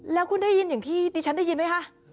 แล้วคุณได้ยินอย่างที่ดิฉันได้ยินไหมคะ